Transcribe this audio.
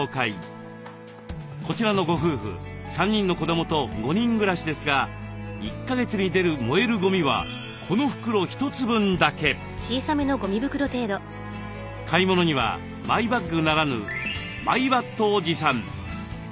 こちらのご夫婦３人の子どもと５人暮らしですが１か月に出る燃えるゴミは買い物にはマイバッグならぬ「マイバット」を持参。